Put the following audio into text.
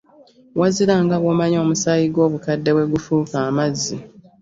Wazira nga bw'omanyi omusaayi gw'obukadde bwe gufuuka amazzi.